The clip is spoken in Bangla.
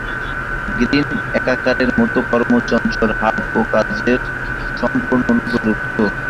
গ্রীনএকারের মত কর্মচঞ্চল হাট এ কাজের সম্পূর্ণ অনুপযুক্ত।